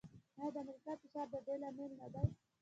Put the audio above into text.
آیا د امریکا فشار د دې لامل نه دی؟